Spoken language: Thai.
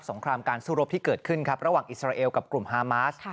งครามการสู้รบที่เกิดขึ้นครับระหว่างอิสราเอลกับกลุ่มฮามาส